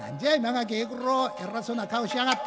垣平九郎偉そうな顔しやがって。